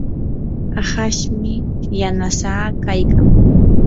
ahashmi yanasaa kaykan.